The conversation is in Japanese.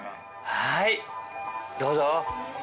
はいどうぞ。